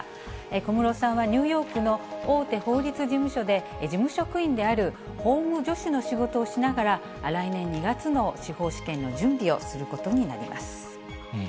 小室さんはニューヨークの大手法律事務所で、事務職員である法務助手の仕事をしながら、来年２月の司法試験の準備をすることになります。